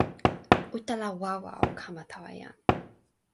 utala wawa o kama tawa jan.